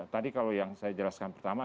tadi kalau yang saya jelaskan pertama